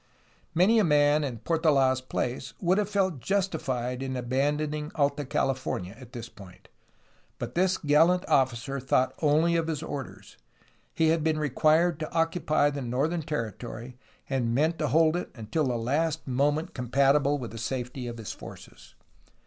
Many a man in Portold's place would have felt justified in abandoning Alta California at this point. But this gallant ofiicer thought only of his orders; he had been re quired to occupy the northern territory, and meant to hold it until the last moment compatible with the safety of his forces.